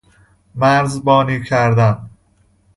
مرزبانی کردن